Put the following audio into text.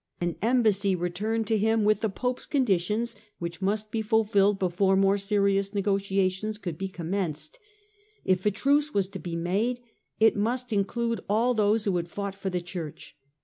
An embassy returned to him with the Pope's conditions which must be fulfilled before more serious negotiations could be commenced. If a truce was to be made, it must include all those who had fought for the Church.